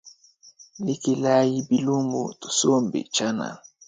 Lekelayi bilumbu tusombe tshianana.